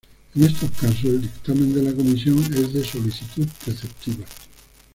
En estos casos, el dictamen de la Comisión es de solicitud preceptiva.